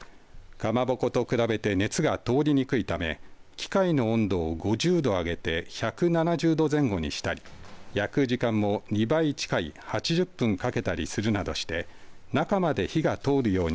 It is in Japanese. かまぼこと比べて熱が通りにくいため機械の温度を５０度上げて１７０度前後にしたり焼く時間も２倍近い８０分かけたりするなどして中まで火が通るように